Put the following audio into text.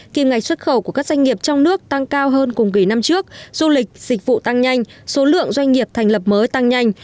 kim ngạch xuất khẩu của các doanh nghiệp trong nước tăng cao hơn cùng kỳ năm trước du lịch dịch vụ tăng nhanh số lượng doanh nghiệp thành lập mới tăng nhanh